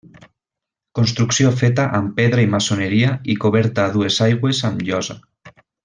Construcció feta amb pedra i maçoneria i coberta a dues aigües amb llosa.